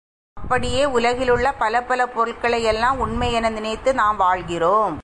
அப்படியே உலகிலுள்ள பலபல பொருள்களை எல்லாம் உண்மை என நினைத்து நாம் வாழ்கிறோம்.